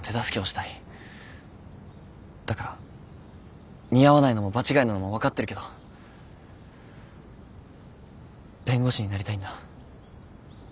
だから似合わないのも場違いなのも分かってるけど弁護士になりたいんだ。